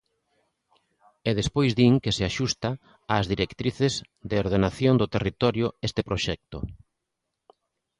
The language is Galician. E despois din que se axusta ás directrices de ordenación do territorio este proxecto.